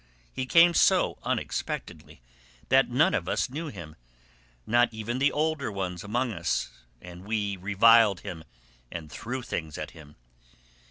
He came so unexpectedly that none of us knew him, not even the older ones among us, and we reviled him and threw things at him.